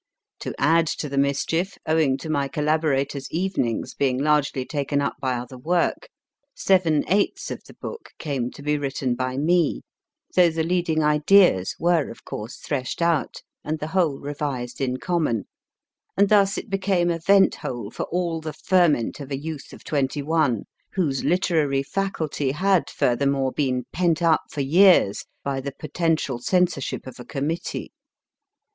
To add to the mischief, owing to my collaborator s evenings being /. ZANGWILL 173 largely taken up by other work, seven eighths of the book came to be written by me, though the leading ideas were, of LIFE IX BETHNAL GREEN course, threshed out and the whole revised in common, and thus it became a vent hole for all the ferment of a youth of twenty one, whose literary faculty had furthermore been pent 174 MY FIRST BOOK up for years by the potential censorship of a committee.